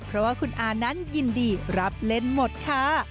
เพราะว่าคุณอานั้นยินดีรับเล่นหมดค่ะ